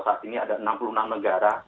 saat ini ada enam puluh enam negara